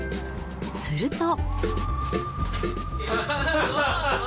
すると。